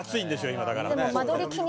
今だから。